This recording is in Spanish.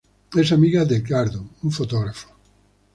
Es amiga de Edgardo, un fotógrafo.